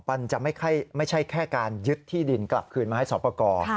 มันจะไม่ใช่แค่การยึดที่ดินกลับคืนมาให้สอบประกอบ